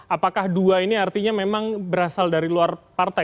apakah dua ini artinya memang berasal dari luar partai